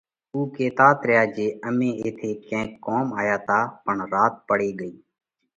او ڪيتات ريا جي امي ايٿئہ ڪينڪ ڪوم آيا تا پڻ رات پڙي ڳئِي۔